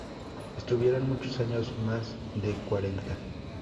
Estuvieron muchos años, más de cuarenta.